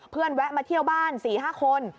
เพื่อนแวะมาเที่ยวบ้าน๔๕คน